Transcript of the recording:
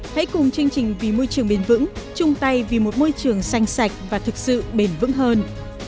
hãy cùng chương trình vì môi trường bền vững chung tay vì một môi trường xanh sạch và thực sự bền vững hơn